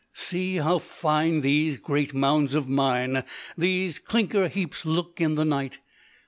"See how fine these great mounds of mine, these clinker heaps, look in the night!